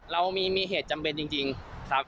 เรามีเหตุจำเป็นจริงครับ